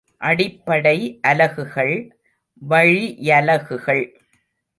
அடிப்படை அலகுகள், வழியலகுகள்.